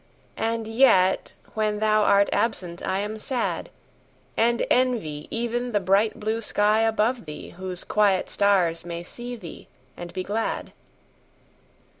And yet when thou art absent I am sad; And envy even the bright blue sky above thee, Whose quiet stars may see thee and be glad.